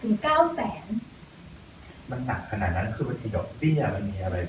เก้าแสนมันหนักขนาดนั้นคือมันมีดอกเบี้ยมันมีอะไร